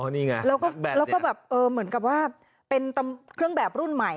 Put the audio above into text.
อ๋อนี่ไงนักแบตเนี่ยแล้วก็แบบเหมือนกับว่าเป็นเครื่องแบบรุ่นใหม่